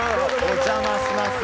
お邪魔します。